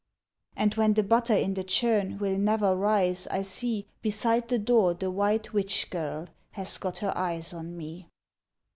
And when the butter in the churn Will never rise, I see Beside the door the white witch girl Has got her eyes on me.